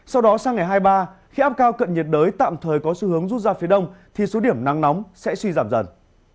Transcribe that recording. sau đó sang ngày hai mươi ba khi áp cao cận nhiệt đới tạm thời có xu hướng rút ra phía đông thì số điểm nắng nóng sẽ suy giảm dần